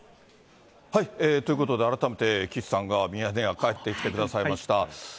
ということで、改めて岸さんがミヤネ屋帰ってきてくださいました。